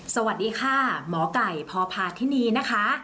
สวัสดีค่ะหมอไก่พพาธินีนะคะ